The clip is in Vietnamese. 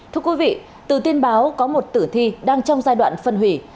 thưa quý vị từ tin báo có một tử thi đang trong giai đoạn phân hủy